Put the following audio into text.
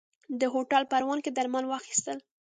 ده هوټل پروان کې درمل واخيستل.